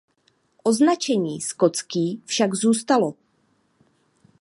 Označení „skotský“ však zůstalo.